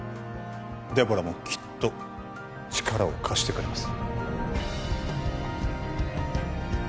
デボラもきっと力を貸してくれます